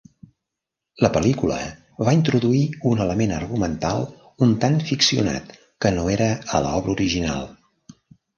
La pel·lícula va introduir un element argumental un tant ficcionat que no era a l'obra original.